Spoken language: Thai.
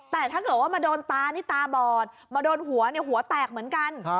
แต่ถ้าเกิดว่ามาโดนตานี่ตาบอดมาโดนหัวเนี่ยหัวแตกเหมือนกัน